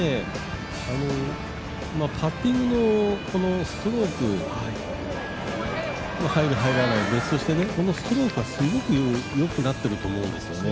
パッティングのストローク入る入らないは別としてこのストロークがすごくよくなってると思うんですよね。